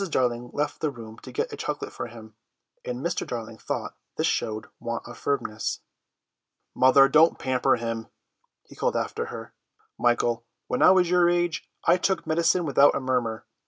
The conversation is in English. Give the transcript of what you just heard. Darling left the room to get a chocolate for him, and Mr. Darling thought this showed want of firmness. "Mother, don't pamper him," he called after her. "Michael, when I was your age I took medicine without a murmur.